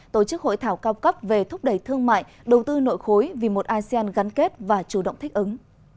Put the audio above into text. tổ chức hội thảo cao cấp về thúc đẩy thương mại đầu tư nội khối vì một asean gắn kết và chủ động thích ứng